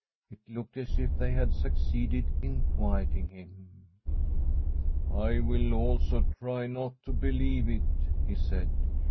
It looked as if they had succeeded in quiet ing him. * I will also try not to believe it/ he said.